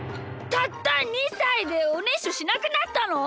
たった２さいでおねしょしなくなったの！？